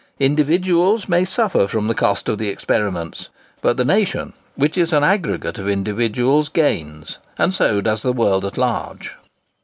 Individuals may suffer from the cost of the experiments; but the nation, which is an aggregate of individuals, gains, and so does the world at large.